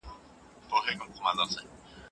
فاطمه رضي الله عنها د کور داخلي کارونه ترسره کول.